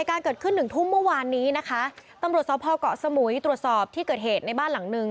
การเกิดขึ้นหนึ่งทุ่มเมื่อวานนี้นะคะตำรวจสพเกาะสมุยตรวจสอบที่เกิดเหตุในบ้านหลังนึง